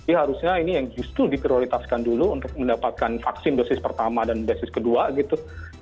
jadi harusnya ini yang justru diprioritaskan dulu untuk mendapatkan vaksin dosis pertama dan dosis kedua gitu